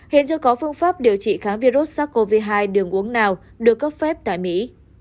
hiện chưa có phương pháp điều trị kháng virus sars cov hai đường uống nào được cấp phép tại mỹ